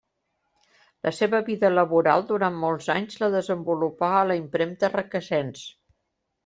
La seva vida laboral durant molts anys la desenvolupà a la impremta Requesens.